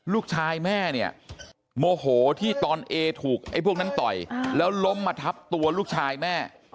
ลูกชายแม่เนี่ยโมโหที่ตอนเอถูกไอ้พวกนั้นต่อยแล้วล้มมาทับตัวลูกชายแม่